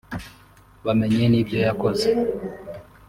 bamenye n’ibyo yakoze